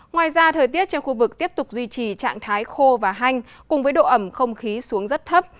ngoài ra thời tiết trên khu vực tiếp tục duy trì trạng thái khô và hanh cùng với độ ẩm không khí xuống rất thấp